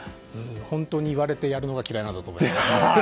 本当に、言われてやるのが嫌いなんだと思います。